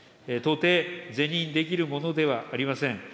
到底、是認できるものではありません。